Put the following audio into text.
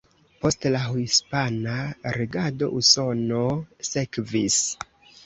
Post la hispana regado Usono sekvis.